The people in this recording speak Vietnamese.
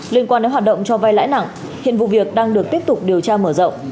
liên quan đến hoạt động cho vai lãi nặng hiện vụ việc đang được tiếp tục điều tra mở rộng